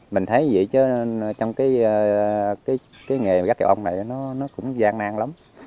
mình thấy vậy chứ trong cái nghề gắt kiểu ong này nó cũng gian nang lắm